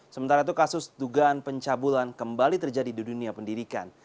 sementara itu kasus dugaan pencabulan kembali terjadi di dunia pendidikan